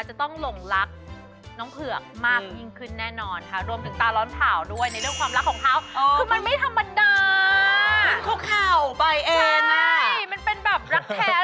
จะต้องหลงรักน้องเผือกมากยิ่งขึ้นแน่นอนค่ะ